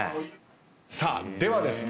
さあではですね